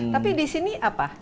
tapi di sini apa